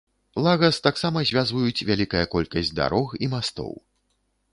Лагас таксама звязваюць вялікая колькасць дарог і мастоў.